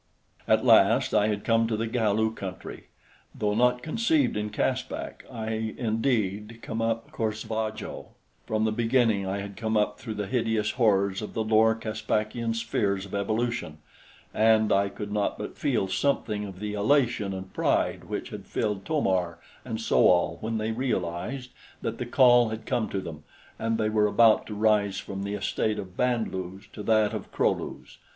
At last I had come to the Galu country. Though not conceived in Caspak, I had indeed come up cor sva jo from the beginning I had come up through the hideous horrors of the lower Caspakian spheres of evolution, and I could not but feel something of the elation and pride which had filled To mar and So al when they realized that the call had come to them and they were about to rise from the estate of Band lus to that of Kro lus.